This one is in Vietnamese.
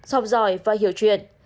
học giỏi và hiểu chuyện